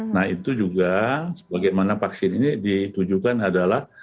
nah itu juga bagaimana vaksin ini ditujukan adalah